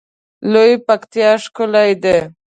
لویه پکتیا ښکلی ده